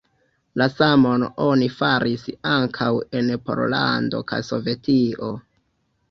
La samon oni faris ankaŭ en Pollando kaj Sovetio.